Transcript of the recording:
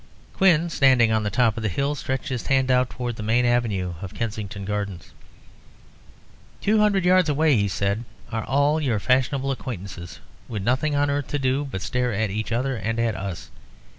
Quin, standing on the top of the hill, stretched his hand out towards the main avenue of Kensington Gardens. "Two hundred yards away," he said, "are all your fashionable acquaintances with nothing on earth to do but to stare at each other and at us.